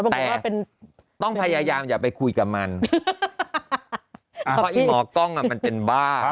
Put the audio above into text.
แต่ต้องพยายามอย่าไปคุยกับมันเพราะอีหมอกล้องมันเป็นบ้า